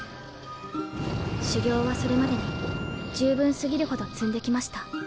修行はそれまでに十分過ぎるほど積んできました。